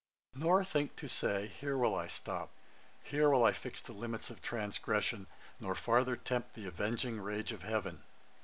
'Nor think to say, here will I stop, Here will I fix the limits of transgression, Nor farther tempt the avenging rage of heaven.